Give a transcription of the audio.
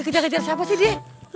kita kejar siapa sih dia